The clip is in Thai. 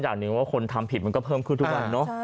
อย่างหนึ่งว่าคนทำผิดมันก็เพิ่มขึ้นทุกวันเนอะ